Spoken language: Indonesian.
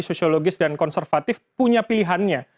sosiologis dan konservatif punya pilihannya